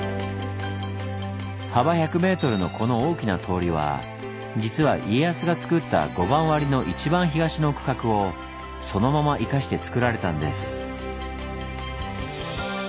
幅１００ｍのこの大きな通りは実は家康がつくった碁盤割の一番東の区画をそのまま生かしてつくられたんです。